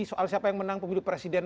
soal siapa yang menang pemilu presiden